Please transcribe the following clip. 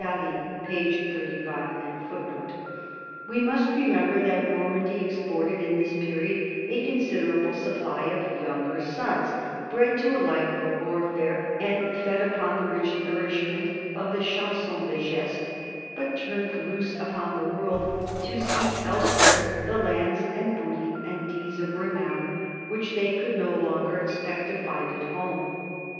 1 We must remember that Normandy exported in this period a considerable supply of younger sons, bred to a life of warfare and fed upon the rich nourishment of the Chansons zfe gestes^ but turned loose upon the world to seek elsewhere the lands and booty and deeds of renown which they could no longer expect to find at home.